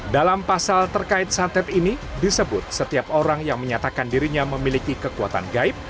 dalam pasal terkait santet ini disebut setiap orang yang menyatakan dirinya memiliki kekuatan gaib